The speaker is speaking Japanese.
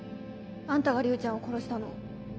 あんたが龍ちゃんを殺したの？